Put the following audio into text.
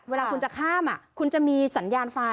เวลาคุณจะข้ามคุณจะมีสัญญาณไฟ